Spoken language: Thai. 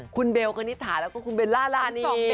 คุณเบลคณิตถาแล้วก็คุณเบลล่ารานี